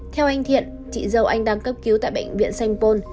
theo anh thiện chị dâu anh đang cấp cứu tại bệnh viện sanh pôn